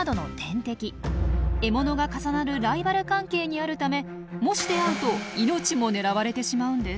獲物が重なるライバル関係にあるためもし出会うと命も狙われてしまうんです。